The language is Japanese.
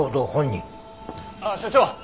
あっ所長！